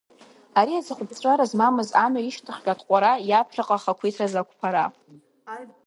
Ари аҵыхәаԥҵәара змамыз амҩа ишьҭахьҟа атҟәара, иаԥхьаҟа ахақәиҭразы ақәԥара.